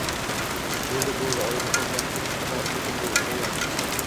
Bo’ldi bo’ldi. Odinaxon dastur haqida unutib qo’yayapmiz.